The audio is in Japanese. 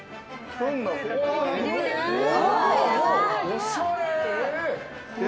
おしゃれ！